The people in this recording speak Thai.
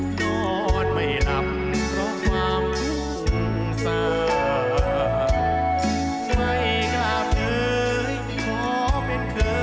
นอนไม่หลับเพราะความสาม